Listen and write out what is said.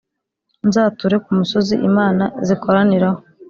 nzature ku musozi imana zikoraniraho,